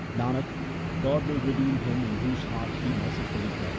Nanak, God will redeem him in whose heart He merci fully dwelleth.